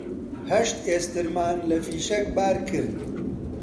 هەشت ئێسترمان لە فیشەک بار کرد